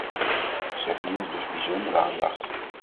Zij verdienen dus bijzondere aandacht.